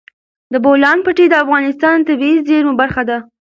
د بولان پټي د افغانستان د طبیعي زیرمو برخه ده.